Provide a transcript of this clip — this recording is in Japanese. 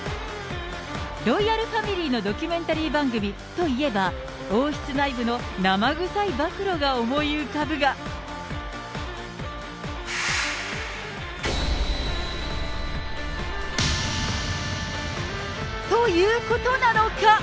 ロイヤルファミリーのドキュメンタリー番組といえば、王室内部の生臭い暴露が思い浮かぶが。ということなのか。